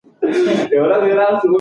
دا کار د پښېمانۍ مخنیوی کوي.